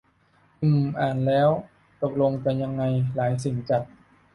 อืม อ่านแล้ว ตกลงจะยังไง หลายสิ่งจัด